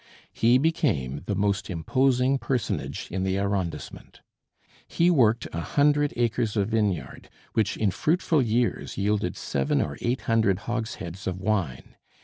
He became the most imposing personage in the arrondissement. He worked a hundred acres of vineyard, which in fruitful years yielded seven or eight hundred hogsheads of wine.